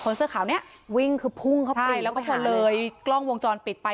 เนื้อเสื้อขาวเนี้ยวิ่งคือพุ่งเขาปิดใช่แล้วก็พอเลยกล้องวงจรปิดไป